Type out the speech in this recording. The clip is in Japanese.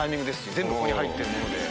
全部ここに入っているもので。